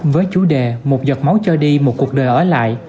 với chủ đề một giọt máu cho đi một cuộc đời ở lại